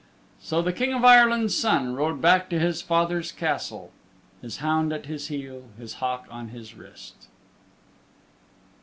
So the King of Ireland's Son rode back to his father's Castle His hound at his heel, His hawk on his wrist.